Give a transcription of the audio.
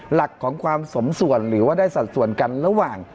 หลักของความสมส่วนหรือว่าได้สัดส่วนกันระหว่าง